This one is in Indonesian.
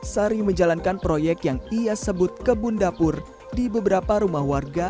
sari menjalankan proyek yang ia sebut kebun dapur di beberapa rumah warga